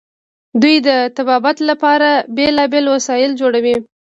دوی د طبابت لپاره بیلابیل وسایل جوړوي.